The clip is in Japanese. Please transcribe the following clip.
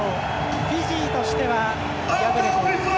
フィジーとしては敗れて。